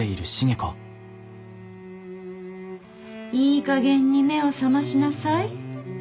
いいかげんに目を覚ましなさい。